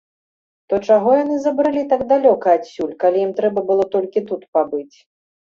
То чаго яны забрылі так далёка адсюль, калі ім трэба было толькі тут пабыць?